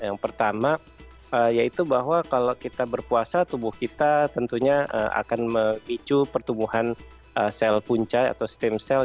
yang pertama yaitu bahwa kalau kita berpuasa tubuh kita tentunya akan memicu pertumbuhan sel punca atau stem cell